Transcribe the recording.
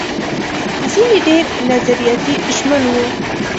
ځينې ډېر نظریاتي ژمن وو.